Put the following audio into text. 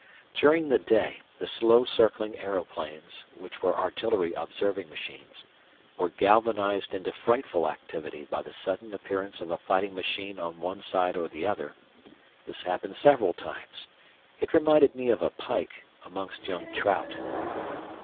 During the day the slow circling aeroplanes (which were artillery observing machines) were galvanized into frightful activity by the sudden appearance of a fighting machine on one side or the other; this happened several times; it reminded me of a pike amongst young trout.